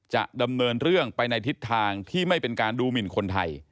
จะดำเนินเรื่องไปในทิศทางที่ไม่เป็นการดูหมินคนไทย